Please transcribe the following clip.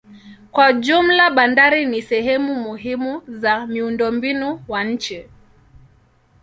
Kwa jumla bandari ni sehemu muhimu za miundombinu wa nchi.